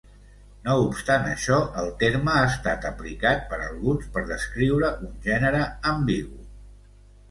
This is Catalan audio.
No obstant això, el terme ha estat aplicat per alguns per descriure un gènere ambigu.